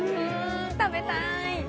食べたい！